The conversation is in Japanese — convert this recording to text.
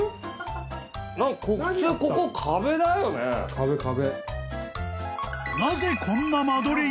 壁壁。